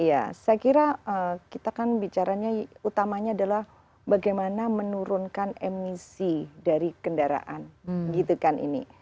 iya saya kira kita kan bicaranya utamanya adalah bagaimana menurunkan emisi dari kendaraan gitu kan ini